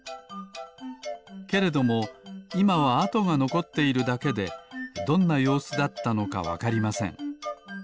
けれどもいまはあとがのこっているだけでどんなようすだったのかわかりません。